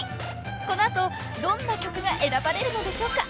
［この後どんな曲が選ばれるのでしょうか］